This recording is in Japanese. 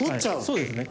そうですね。